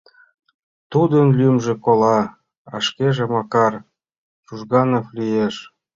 — Тудын лӱмжӧ кола, а шкеже Макар Чужганов лиеш.